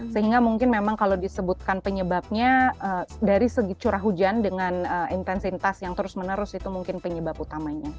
sehingga mungkin memang kalau disebutkan penyebabnya dari segi curah hujan dengan intensitas yang terus menerus itu mungkin penyebab utamanya